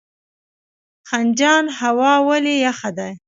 خنجان هوا ولې یخه ده؟